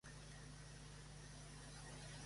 Games fue adquirido por Slightly Mad Studios.